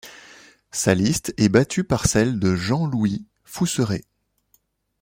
Sa liste est battue par celle de Jean-Louis Fousseret.